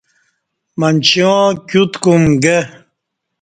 منچیوں کیوت کوم گہ